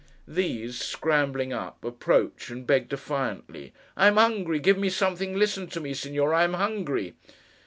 These, scrambling up, approach, and beg defiantly. 'I am hungry. Give me something. Listen to me, Signor. I am hungry!